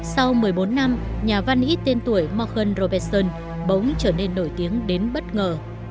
sau một mươi bốn năm nhà văn ít tên tuổi morkel robertson bỗng trở nên nổi tiếng đến bất ngờ